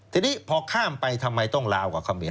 ทีนี้พอข้ามไปทำไมต้องลาวกับเขมร